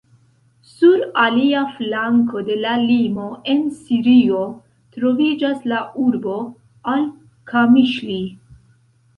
Sur alia flanko de la limo, en Sirio troviĝas la urbo al-Kamiŝli.